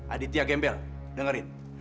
aditya gembel dengerin